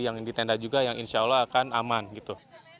yang ditenda juga yang insya allah akan aman gitu